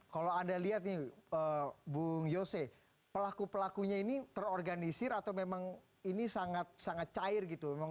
kalau anda lihat nih bung yose pelaku pelakunya ini terorganisir atau memang ini sangat cair gitu